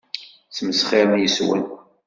Ssmesxirent yes-wen.